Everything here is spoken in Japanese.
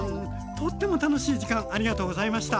とっても楽しい時間ありがとうございました。